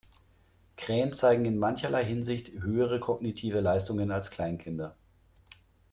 Krähen zeigen in mancherlei Hinsicht höhere kognitive Leistungen als Kleinkinder.